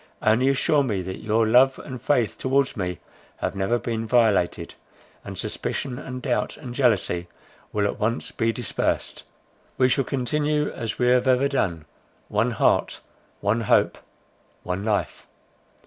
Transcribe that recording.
Only assure me that your love and faith towards me have never been violated; and suspicion, and doubt, and jealousy will at once be dispersed. We shall continue as we have ever done, one heart, one hope, one life."